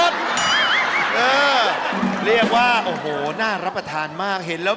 เออเรียกว่าน่ารับประทานมากี